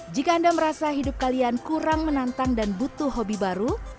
jika anda merasa hidup kalian kurang menantang dan butuh hobi baru